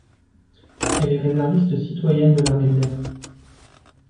Elle est réserviste citoyenne de l'armée de l'air.